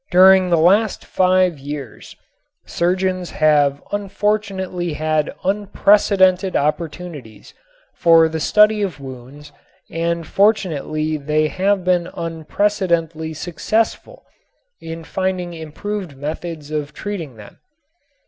During the last five years surgeons have unfortunately had unprecedented opportunities for the study of wounds and fortunately they have been unprecedentedly successful in finding improved methods of treating them.